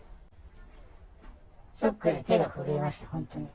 ショックで手が震えました、本当に。